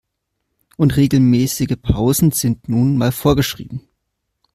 Und regelmäßige Pausen sind nun mal vorgeschrieben.